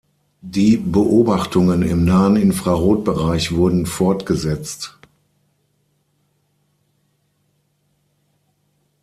Die Beobachtungen im nahen Infrarotbereich wurden fortgesetzt.